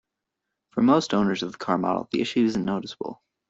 For most owners of the car model, the issue isn't noticeable.